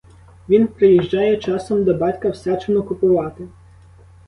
Він приїжджає часом до батька всячину купувати.